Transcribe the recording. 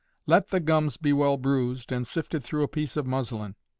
Let the gums be well bruised, and sifted through a piece of muslin.